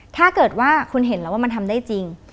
ถ้าเกิดว่าคุณเห็นแล้วว่ามันทำได้จริง